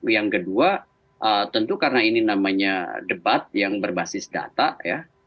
yang kedua tentu karena ini namanya debat yang berbasis data ya